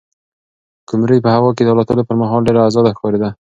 قمرۍ په هوا کې د الوتلو پر مهال ډېره ازاده ښکارېده.